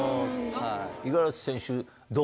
五十嵐選手どう？